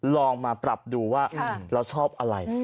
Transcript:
ลองมาปรับดูว่าเราชอบอะไร